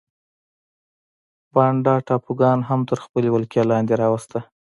بانډا ټاپوګان هم تر خپلې ولکې لاندې راوسته.